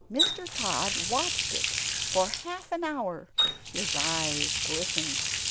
Mr. Tod watched it for half an hour; his eyes glistened.